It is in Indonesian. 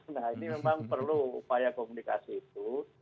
nah ini memang perlu upaya komunikasi itu